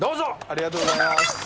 ありがとうございます。